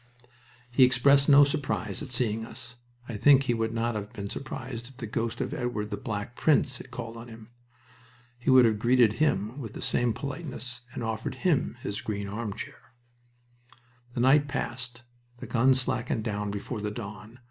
He expressed no surprise at seeing us. I think he would not have been surprised if the ghost of Edward the Black Prince had called on him. He would have greeted him with the same politeness and offered him his green armchair. The night passed. The guns slackened down before the dawn.